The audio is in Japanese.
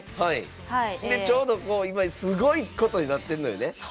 ちょうど今、すごいことになってんのやね。